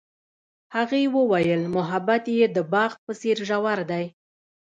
هغې وویل محبت یې د باغ په څېر ژور دی.